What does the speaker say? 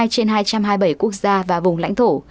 trên hai trăm hai mươi bảy quốc gia và vùng lãnh thổ